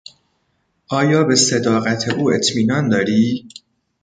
آیا به صداقت او اطمینان داری؟